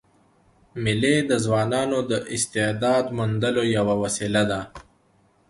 مېلې د ځوانانو د استعداد موندلو یوه وسیله ده.